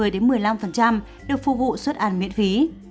được phụ vụ xuất ăn miễn phí